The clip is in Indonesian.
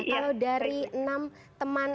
kalau dari enam teman